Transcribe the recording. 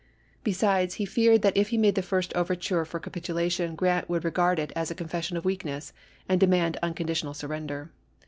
Besides, he feared that if he made the first over tures for capitulation Grant would regard it as a confession of weakness, and demand unconditional surrender.